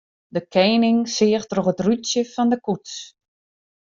De kening seach troch it rútsje fan de koets.